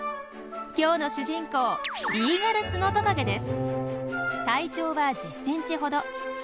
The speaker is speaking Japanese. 今日の主人公体長は１０ｃｍほど。